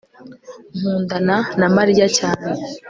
nkundana na mariya cyane